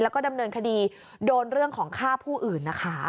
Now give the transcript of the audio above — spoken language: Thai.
แล้วก็ดำเนินคดีโดนเรื่องของฆ่าผู้อื่นนะคะ